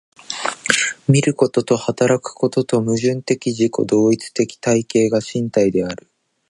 見ることと働くこととの矛盾的自己同一的体系が身体である。